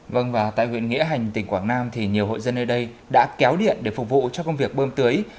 vâng và tại huyện nghĩa hành tỉnh quảng nam thì nhiều hộ dân nơi đây đã kéo điện để phục vụ cho công việc bơm tưới